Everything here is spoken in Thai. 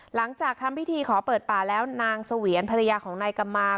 หลังจากทำพิธีขอเปิดป่าแล้วนางเสวียนภรรยาของนายกำมา